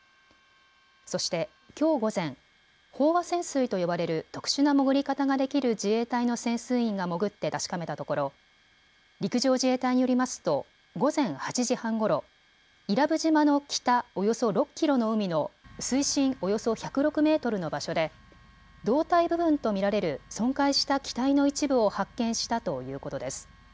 そしてきょう午前、飽和潜水と呼ばれる特殊な潜り方ができる自衛隊の潜水員が潜って確かめたところ、陸上自衛隊によりますと午前８時半ごろ、伊良部島の北およそ６キロの海の水深およそ１０６メートルの場所で胴体部分と見られる損壊した機体の一部を発見したということです。